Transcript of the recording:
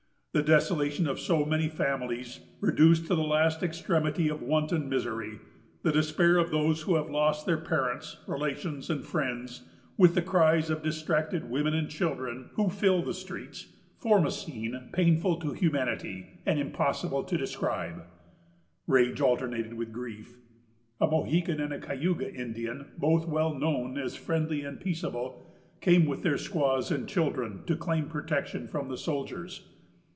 The desolation of so many families, reduced to the last extremity of want and misery; the despair of those who have lost their parents, relations, and friends, with the cries of distracted women and children, who fill the streets,——form a scene painful to humanity, and impossible to describe." Rage alternated with grief. A Mohican and a Cayuga Indian, both well known as friendly and peaceable, came with their squaws and children to claim protection from the soldiers.